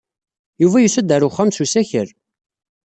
Yuba yusa-d ɣer uxxam s usakal.